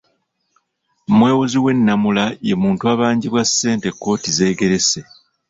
Omwewozi w'ennamula ye muntu abangibwa ssente kkooti z'egerese.